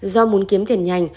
do muốn kiếm tiền nhanh